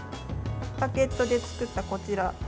バゲットで作った、こちら。